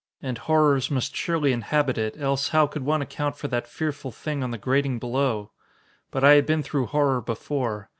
And horrors must surely inhabit it, else how could one account for that fearful thing on the grating below? But I had been through horror before.